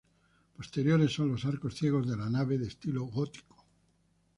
Posteriores son los arcos ciegos de la nave de estilo gótico.